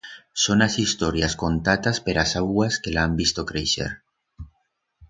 Son as historias contatas per as auguas que la han visto creixer.